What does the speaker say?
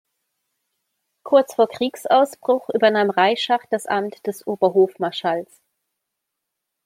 Kurz vor Kriegsausbruch übernahm Reischach das Amt des Oberhofmarschalls.